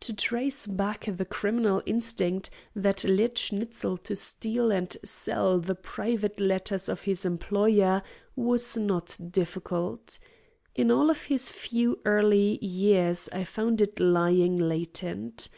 To trace back the criminal instinct that led Schnitzel to steal and sell the private letters of his employer was not difficult. In all of his few early years I found it lying latent.